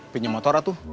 pinjam motorat tuh